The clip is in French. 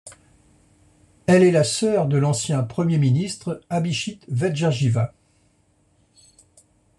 Elle est la sœur de l'ancien premier ministre Abhisit Vejjajiva.